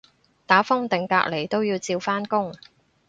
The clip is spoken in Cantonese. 打風定隔離都要照返工